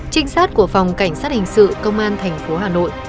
trinh sát của phòng cảnh sát hình sự công an thành phố hà nội